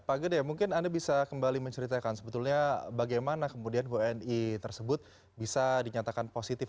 pak gede mungkin anda bisa kembali menceritakan sebetulnya bagaimana kemudian wni tersebut bisa dinyatakan positif